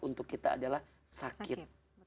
untuk kita adalah sakit